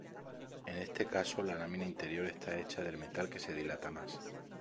En este caso la lámina interior esta hecha del metal que se dilata más.